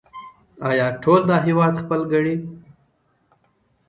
آیا ټول دا هیواد خپل ګڼي؟